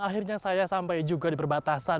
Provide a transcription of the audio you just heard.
akhirnya saya sampai juga di perbatasan